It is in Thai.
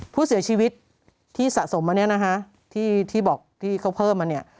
ผู้เสียชีวิตที่สะสมมาเนี่ยนะคะที่บอกที่เขาเพิ่มมาเนี่ย